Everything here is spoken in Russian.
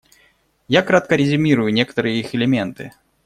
Я кратко резюмирую некоторые их элементы.